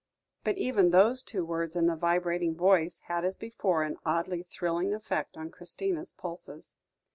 But even those two words in the vibrating voice, had, as before, an oddly thrilling effect on Christina's pulses.